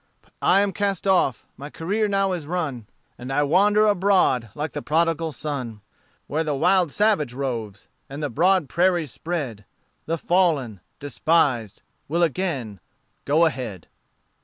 But I am cast off, my career now is run, And I wander abroad like the prodigal son Where the wild savage roves, and the broad prairies spread, The fallen despised will again go ahead."